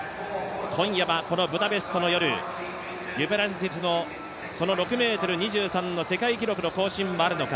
今夜はこのブダペストの夜、デュプランティスのその６ｍ２３の世界記録の更新はあるのか。